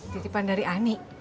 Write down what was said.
titipan dari ani